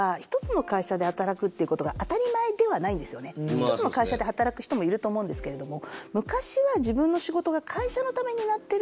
１つの会社で働く人もいると思うんですけれども。